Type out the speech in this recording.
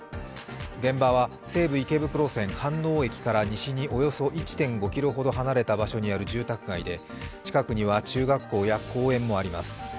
現場は西武池袋線飯能駅からおよそ１．５ｋｍほど離れた住宅街で近くには中学校や公園もあります。